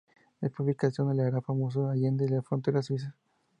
Esta publicación le hará famoso allende las fronteras suizas.